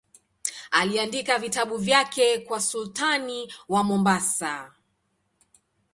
Aliandika vitabu vyake kwa sultani wa Mombasa.